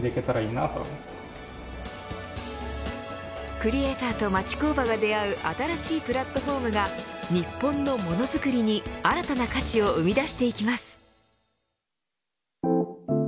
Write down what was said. クリエイターと町工場が出会う新しいプラットフォームが日本のものづくりに新たな価値を生み出していきます。